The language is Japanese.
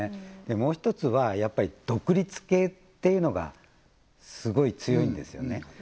もう一つはやっぱり独立系っていうのがすごい強いんですよね